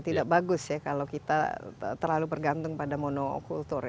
tidak bagus ya kalau kita terlalu bergantung pada monokultur ya